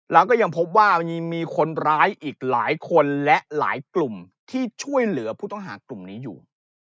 แล้วก็ยังพบว่ามันยังมีคนร้ายอีกหลายคนและหลายกลุ่มที่ช่วยเหลือผู้ต้องหากลุ่มนี้อยู่